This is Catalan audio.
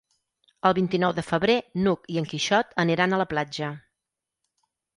El vint-i-nou de febrer n'Hug i en Quixot aniran a la platja.